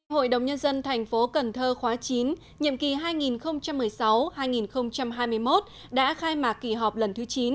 hội đồng nhân dân thành phố cần thơ khóa chín nhiệm kỳ hai nghìn một mươi sáu hai nghìn hai mươi một đã khai mạc kỳ họp lần thứ chín